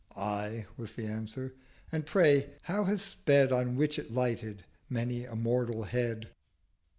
'Aye,' was the Answer—'And, pray, how has sped, 440 On which it lighted, many a mortal Head?'